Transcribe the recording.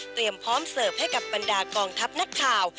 พร้อมเสิร์ฟให้กับบรรดากองทัพนักข่าว